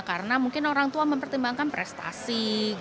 karena mungkin orang tua mempertimbangkan prestasi